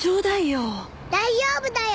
大丈夫だよ。